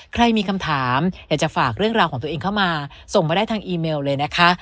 ใครมีคำถามอยากจะฝากเรื่องราวของตัวเองเข้ามาส่งมาได้ทางอีเมลเลยนะคะ